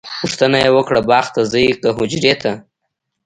پوښتنه یې وکړه باغ ته ځئ که حجرې ته؟